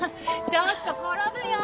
ちょっと転ぶよ！